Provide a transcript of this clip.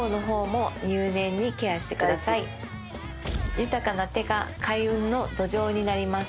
豊かな手が開運の土壌になります。